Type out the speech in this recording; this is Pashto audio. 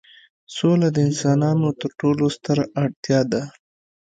سوله د انسانانو تر ټولو ستره اړتیا ده.